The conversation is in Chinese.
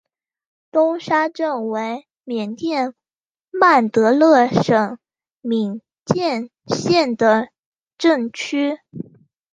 东沙镇为缅甸曼德勒省敏建县的镇区。